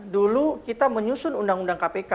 dulu kita menyusun undang undang kpk